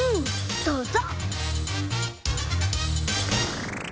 どうぞ！